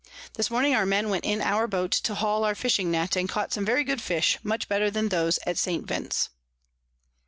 This morning our Men went in our Boat to hall our Fishing Net, and caught some very good Fish much better than those at St. Vince.